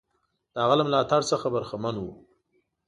د هغه له ملاتړ څخه برخمن وو.